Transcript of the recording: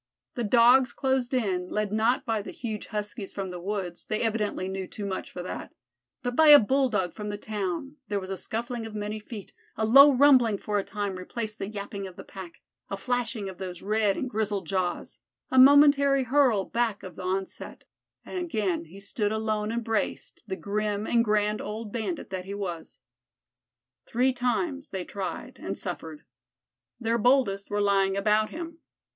The Dogs closed in, led not by the huge Huskies from the woods they evidently knew too much for that but by a Bulldog from the town; there was scuffling of many feet; a low rumbling for a time replaced the yapping of the pack; a flashing of those red and grizzled jaws, a momentary hurl back of the onset, and again he stood alone and braced, the grim and grand old bandit that he was. Three times they tried and suffered. Their boldest were lying about him.